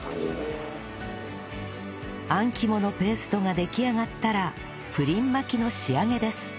あん肝のペーストが出来上がったらプリン巻きの仕上げです